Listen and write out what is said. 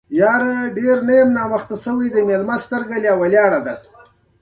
تړونونه رعایت کړي.